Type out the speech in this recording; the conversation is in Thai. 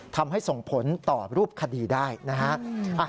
ทำให้ส่งผลต่อรูปคดีได้นะฮะ